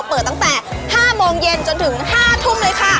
เปิดตั้งแต่๕โมงเย็นจนถึง๕ทุ่มเลยค่ะ